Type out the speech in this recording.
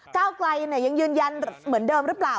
ก้าวไกลยังยืนยันเหมือนเดิมหรือเปล่า